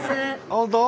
本当？